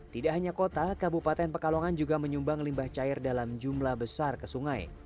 tidak hanya kota kabupaten pekalongan juga menyumbang limbah cair dalam jumlah besar ke sungai